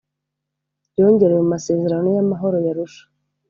byongerewe mu masezerano y amahoro y arusha